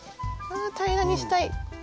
ああ平らにしたい。